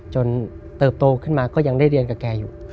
เติบโตขึ้นมาก็ยังได้เรียนกับแกอยู่